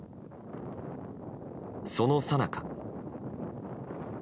そのさなか。